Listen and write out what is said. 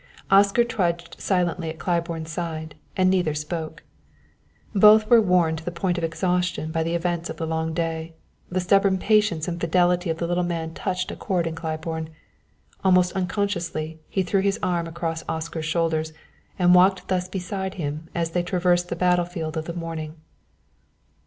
Oscar trudged silently at Claiborne's side, and neither spoke. Both were worn to the point of exhaustion by the events of the long day; the stubborn patience and fidelity of the little man touched a chord in Claiborne. Almost unconsciously he threw his arm across Oscar's shoulders and walked thus beside him as they traversed the battle field of the morning.